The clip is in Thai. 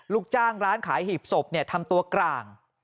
ลูกจ้างร้านขายหีบศพทำตัวกลาง